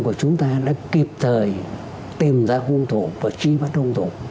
của chúng ta đã kịp thời tìm ra hung thục và chi bắt hung thục